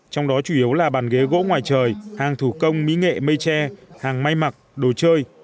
trong đó chủ yếu là bàn ghế gỗ ngoài trời hàng thủ công mỹ nghệ mây tre hàng may mặc đồ chơi